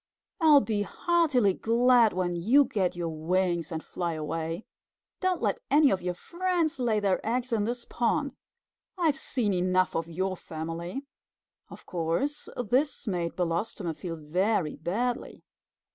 I'll be heartily glad when you get your wings and fly away. Don't let any of your friends lay their eggs in this pond. I've seen enough of your family." Of course this made Belostoma feel very badly.